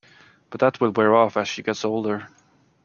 But that will wear off as she gets older.